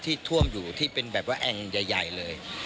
ท่วมอยู่ที่เป็นแบบว่าแอ่งใหญ่เลย